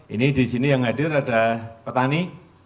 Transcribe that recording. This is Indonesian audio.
ini di sini yang hadir ada petani